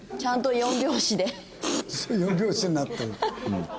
４拍子になってる。